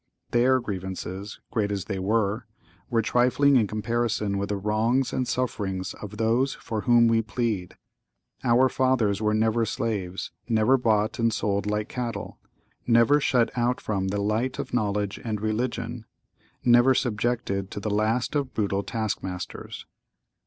(¶ 6) Their grievances, great as they were, were trifling in comparison with the wrongs and sufferings of those for whom we plead. Our fathers were never slaves—never bought and sold like cattle—never shut out from the light of knowledge and religion—never subjected to the last of brutal taskmasters.